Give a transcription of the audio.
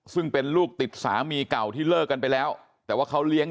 ซึ่งเป็นลูกติดสามีเก่าที่เลิกกันไปแล้วแต่ว่าเขาเลี้ยง